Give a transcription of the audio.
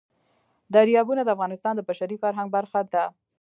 دریابونه د افغانستان د بشري فرهنګ برخه ده.